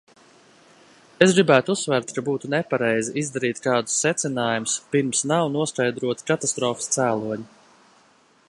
Es gribētu uzsvērt, ka būtu nepareizi izdarīt kādus secinājumus, pirms nav noskaidroti katastrofas cēloņi.